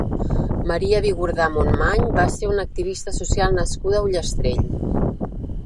Maria Bigordà Montmany va ser una activista social nascuda a Ullastrell.